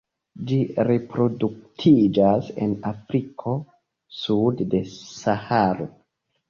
Ĝi reproduktiĝas en Afriko sude de Saharo.